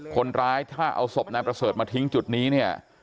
คนร้ายถ้าเอาศพนายประเสริฐมาทิ้งจุดนี้เนี่ย